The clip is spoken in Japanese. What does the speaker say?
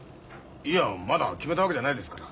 いやまだ決めたわけじゃないですから。